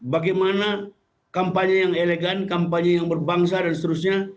bagaimana kampanye yang elegan kampanye yang berbangsa dan seterusnya